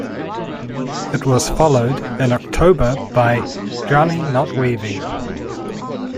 It was followed, in October by "Drowning Not Waving".